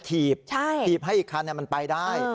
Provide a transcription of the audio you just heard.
ถีบให้อีกคันมันไปได้